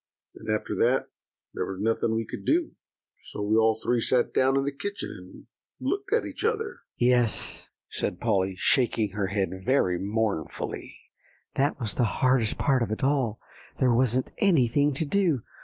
And after that there was nothing we could do; so we all three sat down in the kitchen, and looked at each other." "Yes," said Polly, shaking her head very mournfully, "that was the hardest part of it all; there wasn't anything to do.